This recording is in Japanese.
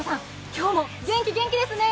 今日も元気元気ですね。